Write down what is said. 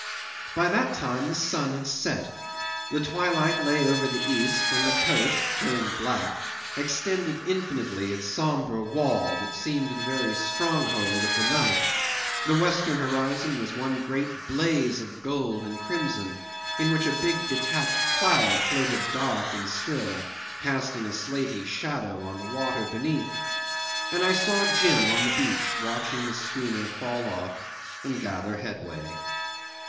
'By that time the sun had set. The twilight lay over the east, and the coast, turned black, extended infinitely its sombre wall that seemed the very stronghold of the night; the western horizon was one great blaze of gold and crimson in which a big detached cloud floated dark and still, casting a slaty shadow on the water beneath, and I saw Jim on the beach watching the schooner fall off and gather headway.